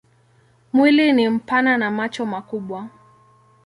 Mwili ni mpana na macho makubwa.